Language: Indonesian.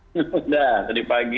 sudah tadi pagi